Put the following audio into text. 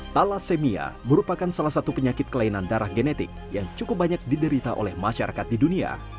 thalassemia merupakan salah satu penyakit kelainan darah genetik yang cukup banyak diderita oleh masyarakat di dunia